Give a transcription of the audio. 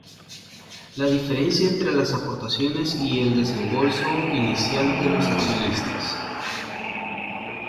La diferencia entre las aportaciones y el desembolso inicial de los accionistas.